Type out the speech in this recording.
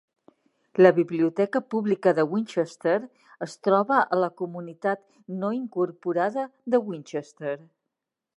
La biblioteca pública de Winchester es troba a la comunitat no incorporada de Winchester.